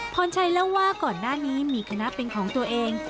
พรชัยเล่าว่าก่อนหน้านี้มีคณะเป็นของตัวเอง